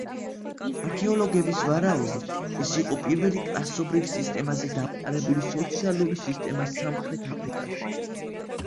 არქეოლოგების ვარაუდით, ის იყო პირველი კლასობრივ სისტემაზე დამყარებული სოციალური სისტემა სამხრეთ აფრიკაში.